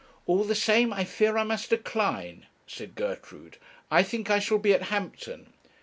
'All the same I fear I must decline,' said Gertrude; 'I think I shall be at Hampton.'